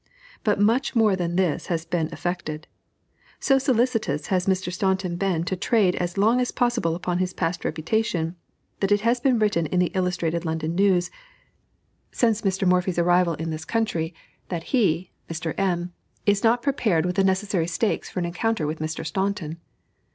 But much more than this has been effected. So solicitous has Mr. Staunton been to trade as long as possible upon his past reputation, that it has been written in the Illustrated London News since Mr. Morphy's arrival in this country, that he (Mr. M.) is not prepared with the necessary stakes for an encounter with Mr. Staunton.